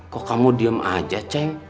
kok kamu diem aja ceng